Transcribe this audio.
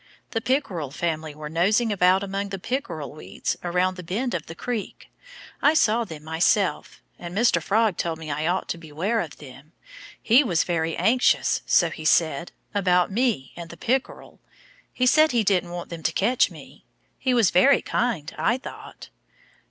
"The Pickerel family were nosing about among the pickerel weeds around the bend of the creek. I saw them myself. And Mr. Frog told me I ought to beware of them. He was very anxious so he said about me and the Pickerel. He said he didn't want them to catch me. He was very kind, I thought."